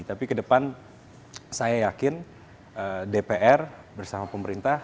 tapi kedepan saya yakin dpr bersama pemerintah